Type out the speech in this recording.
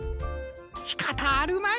しかたあるまい。